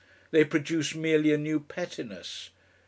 They produce merely a new pettiness.